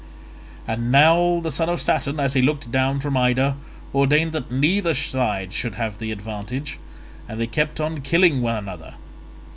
And now the son of Saturn as he looked down from Ida ordained that neither side should have the advantage, and they kept on killing one another.